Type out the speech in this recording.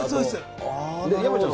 山ちゃん